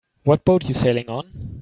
What boat you sailing on?